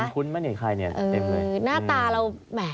คุ้นมั้ยนี่ใครเนี่ยเต็มเลย